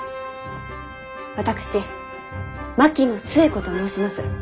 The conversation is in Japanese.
私槙野寿恵子と申します。